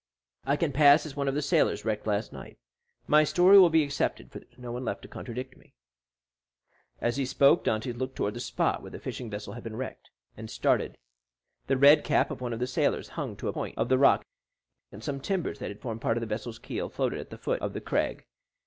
I can pass as one of the sailors wrecked last night. My story will be accepted, for there is no one left to contradict me." As he spoke, Dantès looked toward the spot where the fishing vessel had been wrecked, and started. The red cap of one of the sailors hung to a point of the rock and some timbers that had formed part of the vessel's keel, floated at the foot of the crag.